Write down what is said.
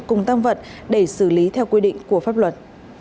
cùng tăng vật để xử lý theo quy định của pháp luật